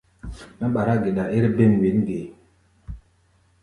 Mɛ́ ɓará geɗa ér bêm wěn ge?